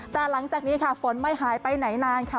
แต่หลังจากนี้ค่ะฝนไม่หายไปไหนนานค่ะ